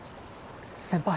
先輩。